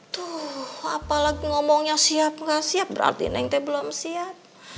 tuh apalagi ngomongnya siap enggak siap berarti neng teh belum siap